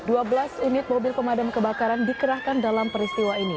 dua belas unit mobil pemadam kebakaran dikerahkan dalam peristiwa ini